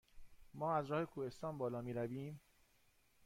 ما از راه کوهستان بالا می رویم؟